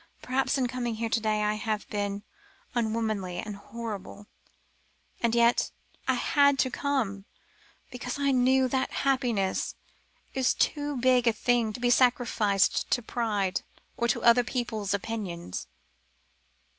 "Perhaps in coming here to day I have been unwomanly and horrible; and yet, I had to come, because I knew that happiness is too big a thing to be sacrificed to pride, or to other people's opinions."